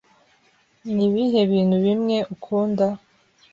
Ni ibihe bintu bimwe ukunda?